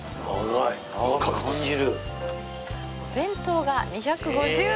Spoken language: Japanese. お弁当が２５０円。